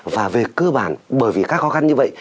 và về cơ bản bởi vì các khó khăn như vậy